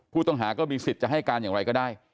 ผู้ต้องหาก็มีสิทธิ์จะให้การอย่างไรก็ได้